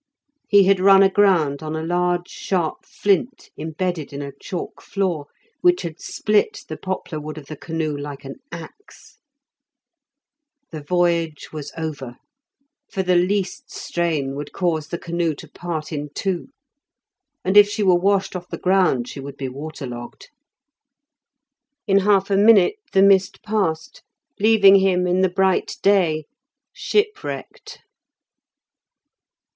He had run aground on a large sharp flint embedded in a chalk floor, which had split the poplar wood of the canoe like an axe. The voyage was over, for the least strain would cause the canoe to part in two, and if she were washed off the ground she would be water logged. In half a minute the mist passed, leaving him in the bright day, shipwrecked.